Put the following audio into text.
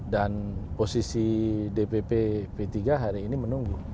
dan posisi dpp p tiga hari ini menunggu